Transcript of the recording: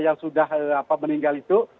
yang sudah meninggal itu